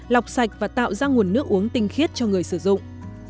lọc sạch và tạo ra nguồn nước uống tinh khiết cho người sử dụng